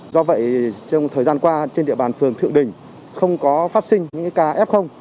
do vậy trong thời gian qua trên địa bàn phường thượng đình không có phát sinh những ca f